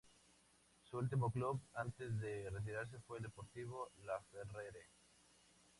Su último club antes de retirarse fue Deportivo Laferrere.